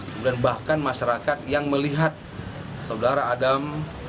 kemudian bahkan masyarakat yang melihat saudara adam